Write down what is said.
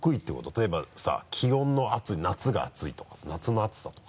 例えばさ気温の暑い夏が暑いとかさ夏の暑さとか。